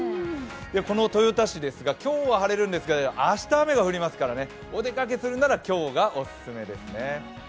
この豊田市、今日は晴れるんですが明日雨が降りますからお出かけするなら今日がお勧めですね。